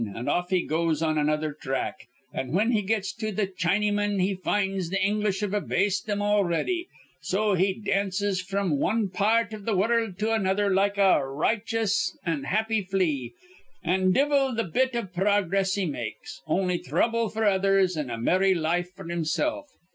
an' off he goes on another thrack. An', whin he gets to th' Chinnymen, he finds th' English've abased thim already. An' so he dances fr'm wan par rt th' wurruld to another like a riochous an' happy flea, an' divvle th' bit iv progress he makes, on'y thrubble f'r others an' a merry life f'r himsilf."